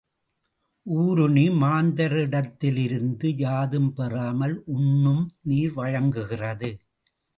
ஊருணி, மாந்தரிடத்திலிருந்து யாதும் பெறாமல் உண்ணும் நீர் வழங்குகிறது.